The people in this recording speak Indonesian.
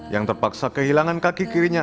yang terpaksa kehilangan kaki kirinya